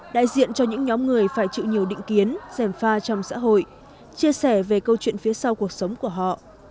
đại diện cho những nhóm người phải chịu nhiều định kiến dèm pha trong xã hội chia sẻ về câu chuyện phía sau cuộc sống của họ